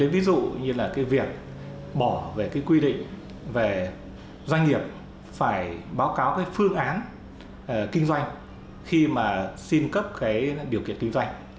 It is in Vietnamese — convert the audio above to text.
ví dụ như việc bỏ quy định về doanh nghiệp phải báo cáo phương án kinh doanh khi mà xin cấp điều kiện kinh doanh